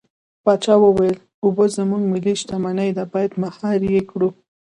پاچا وويل: اوبه زموږ ملي شتمني ده بايد مهار يې کړو.